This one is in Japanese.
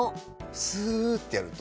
スーッてやると。